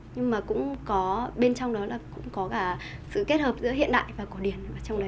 nhưng mà cũng có bên trong đó là cũng có cả sự kết hợp giữa hiện đại và cổ điển trong đấy